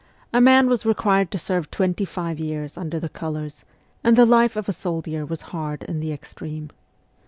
A man was required to serve twenty five years under the colours, and the life of a soldier was hard in the extreme.